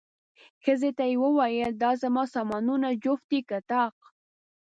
ښځې ته یې وویل، دا زما سامانونه جفت دي که طاق؟